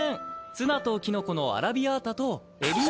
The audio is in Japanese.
ツナとキノコのアラビアータとエビの。